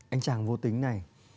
anh chàng vô tính này